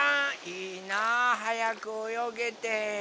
いいなはやくおよげて。